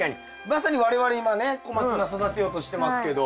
まさに我々今ねコマツナ育てようとしてますけど。